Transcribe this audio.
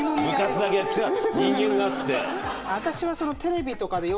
私は。